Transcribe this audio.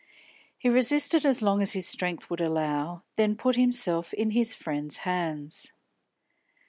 He resisted as long as his strength would allow, then put himself in his friend's hands.